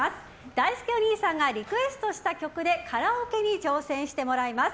だいすけおにいさんがリクエストした曲でカラオケに挑戦してもらいます。